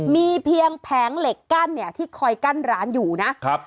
มีเพียงแผงเหล็กกั้นเนี่ยที่คอยกั้นร้านอยู่นะครับ